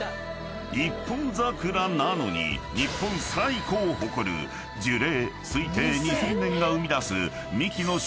［一本桜なのに日本最古を誇る樹齢推定２，０００年が生み出す］